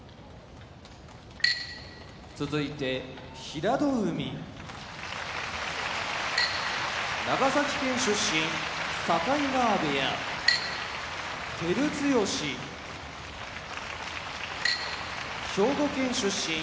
平戸海長崎県出身境川部屋照強兵庫県出身